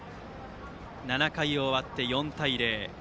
７回終わって４対０。